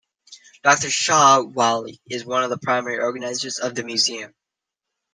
Doctor Shah Walie is one of the primary organizers of the museum.